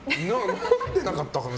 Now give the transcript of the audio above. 飲んでなかったかな？